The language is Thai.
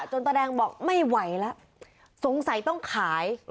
จนตระแดงบอกไม่ไหวล่ะสงสัยต้องขาย